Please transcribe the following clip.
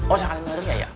oh sakit malaria ya